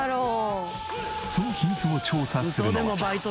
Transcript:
その秘密を調査するのは。